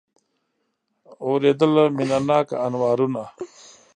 اورېدله مینه ناکه انوارونه